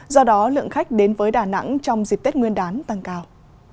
do đó lượng khách đến với đà nẵng trong dịp tết nguyên đán tăng cao